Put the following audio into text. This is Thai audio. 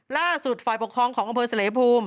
ล่าสุดฝ่ายปกครองของอเศรษฐ์เลพูม